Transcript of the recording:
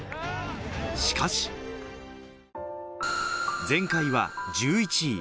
しかし、前回は１１位。